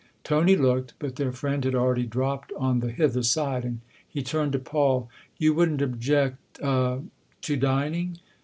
Tony looked, but their friend had already dropped on the hither side, and he turned to Paul. " You wouldn't object a to dining